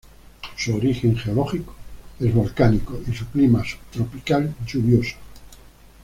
Su origen geológico es volcánico y su clima, subtropical lluvioso.